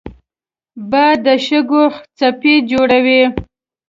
باد د شګو څپې جوړوي